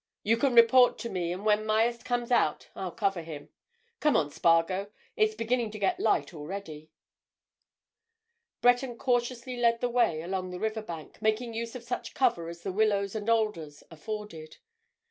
You can report to me, and when Myerst comes out I'll cover him. Come on, Spargo; it's beginning to get light already." Breton cautiously led the way along the river bank, making use of such cover as the willows and alders afforded.